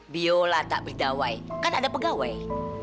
biola tak berdawai kan ada pegawai